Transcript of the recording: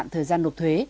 thời gian nộp thuế